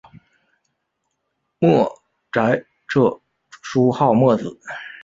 墨翟着书号墨子。